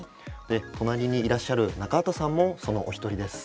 隣にいらっしゃる中畑さんもそのお一人です。